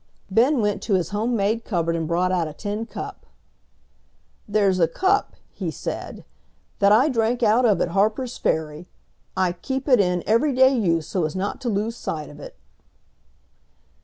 Ben went to his homemade cupboard and brought out a tin cup. "There's a cup," he said, "that I drank out of at Harper's Ferry. I keep it in everyday use, so as not to lose sight of it."